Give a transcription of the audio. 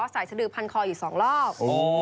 สายชะดือพันคลออีก๒รอบ